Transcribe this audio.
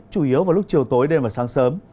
chủ yếu vào lúc chiều tối đêm và sáng sớm